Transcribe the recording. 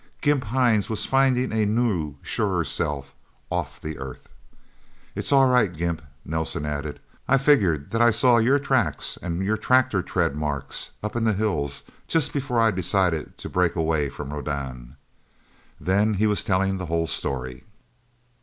Gimp Hines was finding a new, surer self, off the Earth. "It's all right, Gimp," Nelsen added. "I figured that I saw your tracks and your tractor tread marks, up in the hills, just before I decided to break away from Rodan..." Then he was telling the whole story.